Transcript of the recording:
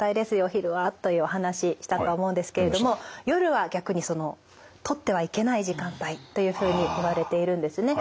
昼はというお話したと思うんですけれども夜は逆にそのとってはいけない時間帯というふうにいわれているんですね。